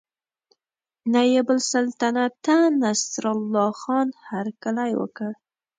نایب السلطنته نصرالله خان هرکلی وکړ.